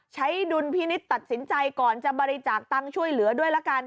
ดุลพินิษฐ์ตัดสินใจก่อนจะบริจาคตังค์ช่วยเหลือด้วยละกัน